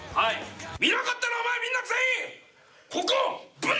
見なかったらお前みんな全員ここ。